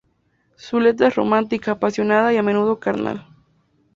Su letra es romántica, apasionada y a menudo carnal.